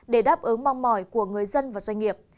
để đáp ứng mong mỏi của người dân và doanh nghiệp